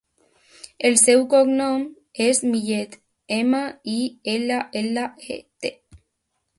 El seu cognom és Millet: ema, i, ela, ela, e, te.